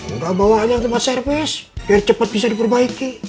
enggak bawa aja ke tempat servis biar cepet bisa diperbaiki